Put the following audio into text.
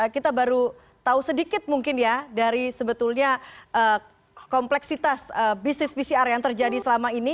kita baru tahu sedikit mungkin ya dari sebetulnya kompleksitas bisnis pcr yang terjadi selama ini